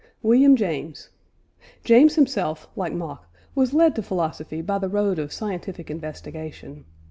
WILLIAM JAMES. James himself, like Mach, was led to philosophy by the road of scientific investigation.